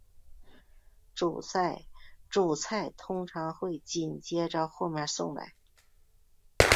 主菜通常会紧接着后面送上。